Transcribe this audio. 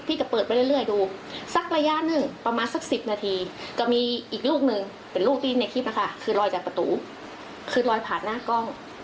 จะเปิดไปเรื่อยดูสักระยะหนึ่งประมาณสัก๑๐นาทีก็มีอีกลูกหนึ่งเป็นลูกที่ในคลิปนะคะคือลอยจากประตูคือลอยผ่านหน้ากล้อง